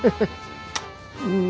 うん。